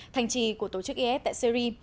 thành trì của tổ chức is tại syri